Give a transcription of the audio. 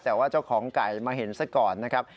แต่ว่าเจ้าของไก่มาเห็นซะก่อนนะครับ